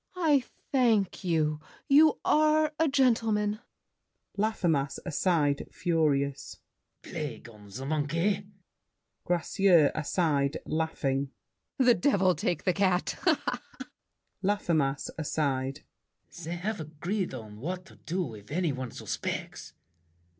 I thank you; You are a gentleman! LAFFEMAS (aside, furious). Plague on the monkey! GRACIEUX (aside, laughing). The devil take the cat! LAFFEMAS (aside). They have agreed On what to do, if any one suspects.